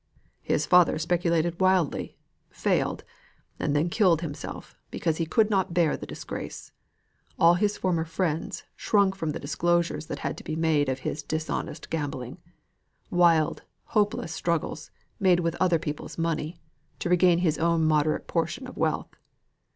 His father speculated wildly, failed, and then killed himself, because he could not bear the disgrace. All his former friends shrunk from the disclosures that had to be made of his dishonest gambling wild, hopeless struggles, made with other people's money, to regain his own moderate portion of wealth.